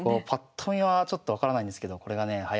パッと見はちょっと分からないんですけどこれがねえ